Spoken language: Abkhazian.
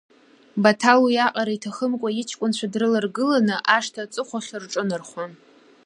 Баҭал уиаҟара иҭахымкәа, иҷкәынцәа дрыларгыланы, ашҭа аҵыхәахь рҿынархоит.